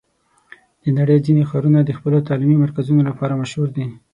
د نړۍ ځینې ښارونه د خپلو تعلیمي مرکزونو لپاره مشهور دي.